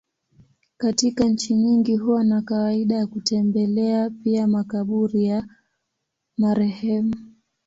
Katika nchi nyingi huwa na kawaida ya kutembelea pia makaburi ya marehemu.